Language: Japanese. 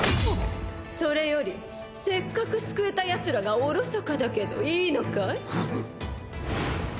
それよりせっかく救えたやつらがおろそかだけどいいのかい？